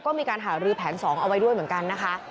ก็มีการหารือแผน๒เอาไว้ด้วยเหมือนกันนะคะ